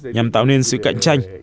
nhằm tạo nên sự cạnh tranh